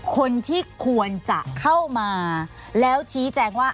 คนที่ควรจะเข้ามาแล้วชี้แจงว่า